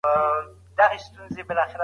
ولې خلګ له یو بل سره جګړه کوي؟